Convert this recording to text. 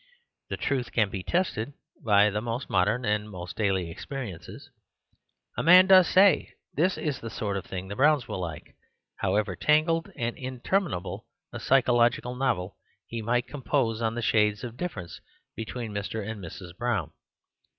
The truth can be tested by the most modern and most daily experiences. A man does say "That is the sort of thing the Browns will like" ; however tangled and interminable a psychological novel he might compose on the shades of diflPerence between Mr. and Mrs. Brown.